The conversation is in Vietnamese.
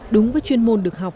đúng với chuyên môn được học